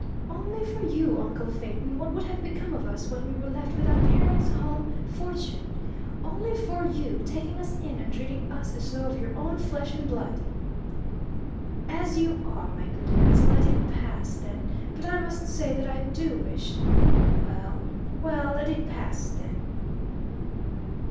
"Only for you, uncle Phaeton, what would have become of us when we were left without parents, home, fortune? Only for you, taking us in and treating us as though of your own flesh and blood " "As you are, my good lads! Let it pass, then, but I must say that I do wish well, well, let it pass, then!"